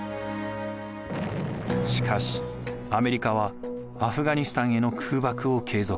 しかしアメリカはアフガニスタンへの空爆を継続。